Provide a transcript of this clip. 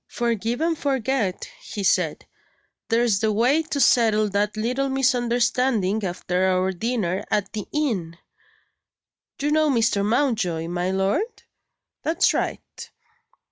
"Forgive and forget," he said, "there's the way to settle that little misunderstanding, after our dinner at the inn. You know Mr. Mountjoy, my lord? That's right.